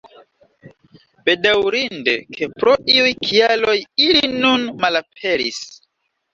Bedaŭrinde, ke pro iuj kialoj ili nun malaperis.